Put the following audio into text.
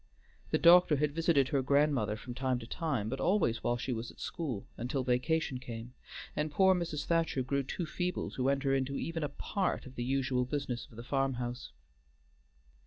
The doctor had visited her grandmother from time to time, but always while she was at school, until vacation came, and poor Mrs. Thacher grew too feeble to enter into even a part of the usual business of the farmhouse.